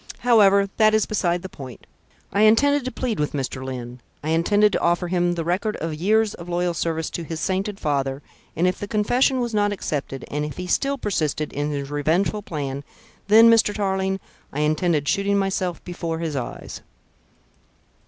However, that is beside the point. I intended to plead with Mr. Lyne. I intended to offer him the record of years of loyal service to his sainted father; and if the confession was not accepted, and if he still persisted in his revengeful plan, then, Mr. Tarling, I intended shooting myself before his eyes."